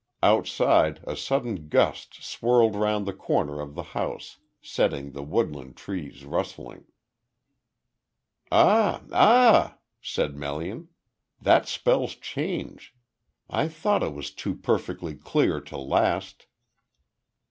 Outside, a sudden gust swirled round the corner of the house, setting the woodland trees rustling. "Ah ah!" said Melian. "That spells change. I thought it was too perfectly clear to last."